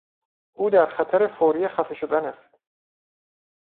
او در خطر فوری خفه شدن است.